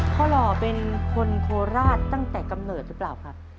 หล่อเป็นคนโคราชตั้งแต่กำเนิดหรือเปล่าครับ